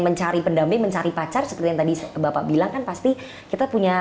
mencari pendamping mencari pacar seperti yang tadi bapak bilang kan pasti kita punya